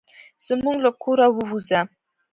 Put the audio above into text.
زموږ له کوره ووزه.